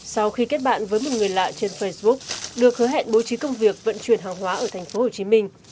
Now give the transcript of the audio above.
sau khi kết bạn với một người lạ trên facebook được hứa hẹn bố trí công việc vận chuyển hàng hóa ở tp hcm